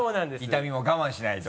痛みも我慢しないと。